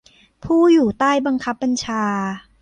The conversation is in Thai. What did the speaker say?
ผู้อยู่ใต้บังคับบัญชา